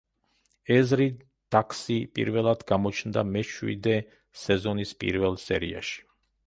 ეზრი დაქსი პირველად გამოჩნდა მეშვიდე სეზონის პირველ სერიაში.